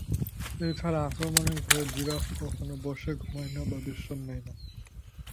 এছাড়া আক্রমণের ভয়ে জিরাফ কখনো বসে ঘুমায় না বা বিশ্রাম নেয় না।